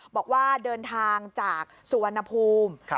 บอกว่าเดินทางจากสุวรรณภูมิ